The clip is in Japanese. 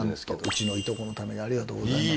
うちのいとこのためにありがとうございます。